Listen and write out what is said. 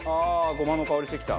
ゴマの香りしてきた！